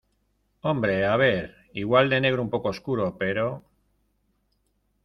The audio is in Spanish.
hombre, a ver , igual de negro un poco oscuro , pero...